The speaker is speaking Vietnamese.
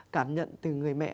cảm nhận từ người mẹ